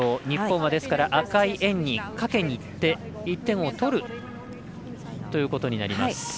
日本は、ですから赤い円にかけにいって１点を取るということになります。